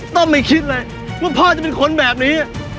ต้องไม่คิดเลยว่าพ่อจะเป็นคนแบบนี้